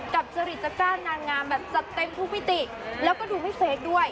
จริตกล้านางงามแบบจัดเต็มทุกมิติแล้วก็ดูไม่เฟคด้วย